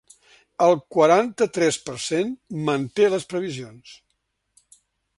El quaranta-tres per cent manté les previsions.